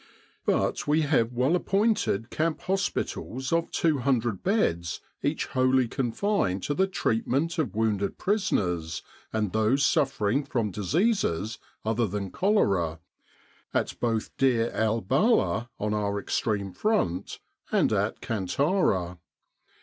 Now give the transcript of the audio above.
But we have well appointed camp hospitals of 200 beds each wholly confined to the treatment of wounded prisoners, and those suffering from diseases other than cholera, at both Deir el Belah on our ex treme front, and at Kantara.